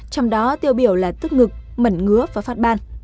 trong đó tiêu biểu là tức ngực mẩn ngứa và phát ban